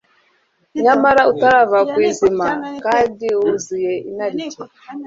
nyamara utava ku izima kandi wuzuye inarijye